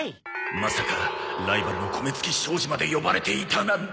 まさかライバルの米月商事まで呼ばれていたなんて